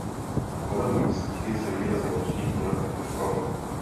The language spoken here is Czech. Volební výsledky se výrazně lišily podle typu škol.